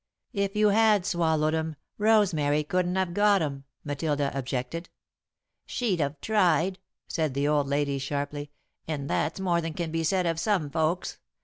"If you had swallowed 'em, Rosemary couldn't have got 'em," Matilda objected. "She'd have tried," said the old lady, sharply, "and that's more than can be said of some folks.